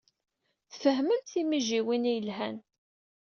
Tfehmemt timijwin ay yellan.